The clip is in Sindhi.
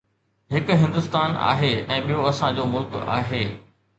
: هڪ هندستان آهي ۽ ٻيو اسان جو ملڪ آهي.